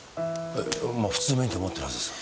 普通免許持ってるはずですが。